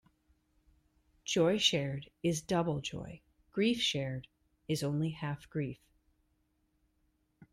Joy shared is double joy; grief shared is only half grief.